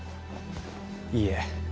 いいえ